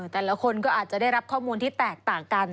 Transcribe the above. แต่ละคนก็อาจจะได้รับข้อมูลที่แตกต่างกัน